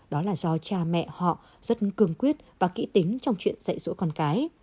đó là do cha mẹ họ rất cương quyết và kỹ tính trong chuyện dạy dỗ con cái